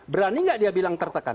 berani nggak dia bilang tertekan